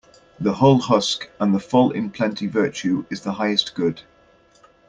The hull husk and the full in plenty Virtue is the highest good.